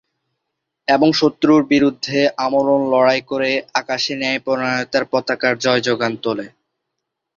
Cypress football অ্যাসোসিয়েশনের প্রতিষ্ঠার পরে সিএফএ-এর সদস্য ক্লাবগুলোর জন্য বিভিন্ন চ্যাম্পিয়নশিপের আয়োজন করে একটি সরকারী ভিত্তিতে ফুটবল খেলা শুরু হয়েছিল।